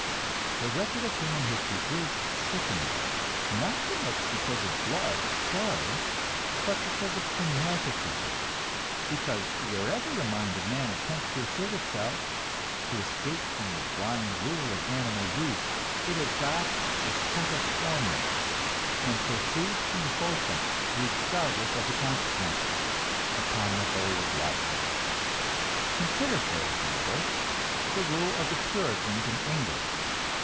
The record of human history is sickening, not so much because of blood and slaughter, but because of fanaticism; because wherever the mind of man attempts to assert itself, to escape from the blind rule of animal greed, it adopts a set of formulas, and proceeds to enforce them, regardless of consequences, upon the whole of life. Consider, for example, the rule of the Puritans in England.